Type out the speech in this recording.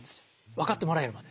分かってもらえるまで。